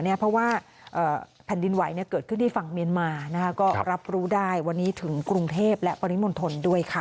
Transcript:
เพราะว่าแผ่นดินไหวเกิดขึ้นที่ฝั่งเมียนมาก็รับรู้ได้วันนี้ถึงกรุงเทพและปริมณฑลด้วยค่ะ